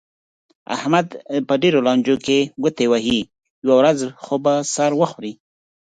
احمد په ډېرو لانجو کې ګوتې وهي، یوه ورځ خو به سر وخوري.